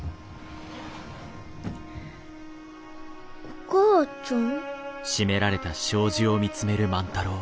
お母ちゃん？